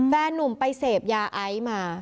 แฟนนุ่มไปเสพยาไอซ์มา